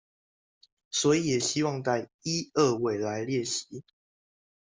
所以也希望帶一二位來列席